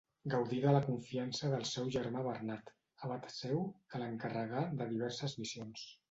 Gaudí de la confiança del seu germà Bernat, abat seu, que l'encarregà de diverses missions.